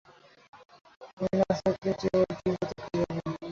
আমি না থাকলে যে ওর কী হতো কে জানে!